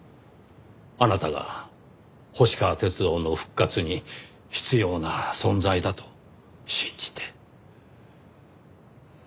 あなたが星川鐵道の復活に必要な存在だと信じて。